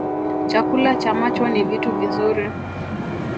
Chakula cha macho ni vitu vizuri